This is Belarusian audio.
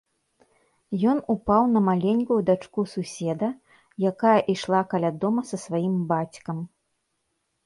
Ён упаў на маленькую дачку суседа, якая ішла каля дома са сваім бацькам.